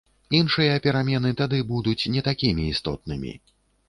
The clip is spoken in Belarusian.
Іншыя перамены тады будуць не такімі істотнымі.